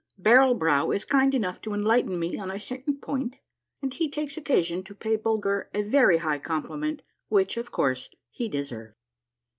— BARREL BROW IS KIND ENOUGH TO ENLIGHTEN ME ON A CERTAIN POINT, AND HE TAKES OCCASION TO PAY BULGER A VERY HIGH COMPLIMENT, WHICH, OF COURSE, HE DESERVED.